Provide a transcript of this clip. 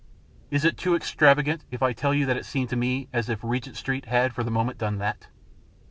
Is it too extravagant if I tell you that it seemed to me as if Regent Street had, for the moment, done that?